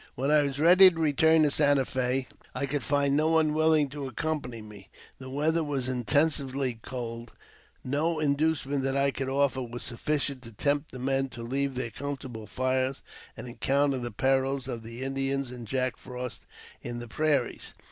When I was ready to return to Santa Fe, I could find no one willing to accompany me. The weather was intensely cold,, JAMES P. BECKWOURTH. 395 and no inducement that I could offer was sufficient to tempt men to leave their comfortable fires, and encounter the perila of the Indians and Jack Frost in the prairies.